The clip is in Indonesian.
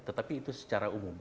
tetapi itu secara umum